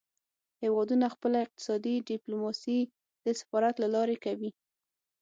هیوادونه خپله اقتصادي ډیپلوماسي د سفارت له لارې کوي